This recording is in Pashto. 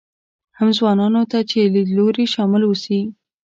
هم ځوانانو ته چې لیدلوري شامل اوسي.